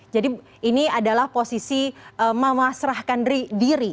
jadi ini adalah posisi memasrahkan diri